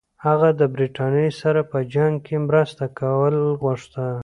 هغه د برټانیې سره په جنګ کې مرسته کول غوښتل.